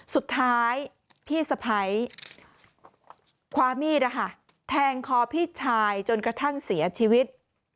สุดท้ายพี่สะพ้ายคว้ามีดแทงคอพี่ชายจนกระทั่งเสียชีวิต